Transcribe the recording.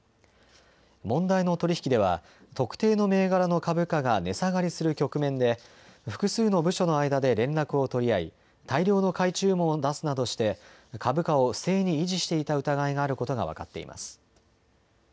問題の取り引きでは特定の銘柄の株価が値下がりする局面で複数の部署の間で連絡を取り合い、大量の買い注文を出すなどして株価を不正に維持していた疑いがあることが分かっています。